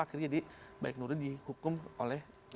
akhirnya jadi baik nuril dihukum oleh